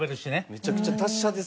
めちゃくちゃ達者ですね。